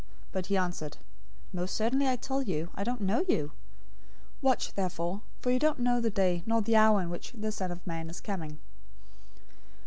025:012 But he answered, 'Most certainly I tell you, I don't know you.' 025:013 Watch therefore, for you don't know the day nor the hour in which the Son of Man is coming.